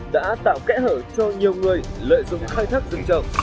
đã tạo kẽ hở cho nhiều người lợi dụng khai thác rừng trồng